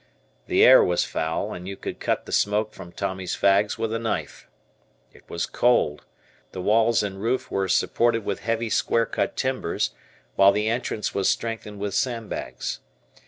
The air was foul, and you could cut the smoke from Tommy's fags with a knife. It was cold. The walls and roof were supported with heavy square cut timbers, while the entrance was strengthened with sandbags.